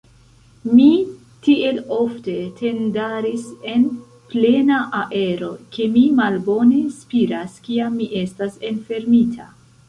Mi tiel ofte tendaris en plena aero, ke mi malbone spiras, kiam mi estas enfermita.